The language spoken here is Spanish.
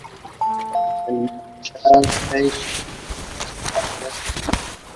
El guion es de Chad Hayes, Carey W. Hayes, Wan y David Leslie Johnson.